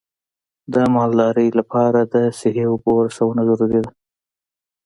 د مالدارۍ لپاره د صحي اوبو رسونه ضروري ده.